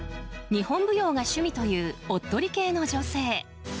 日本舞踊が趣味というおっとり系の女性。